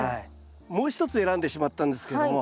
もう一つ選んでしまったんですけども。